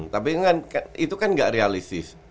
tapi itu kan gak realistis